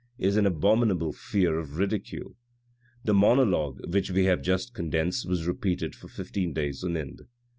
is an abominable fear of ridicule." The monologue which we have just condensed was repeated for fifteen days on end.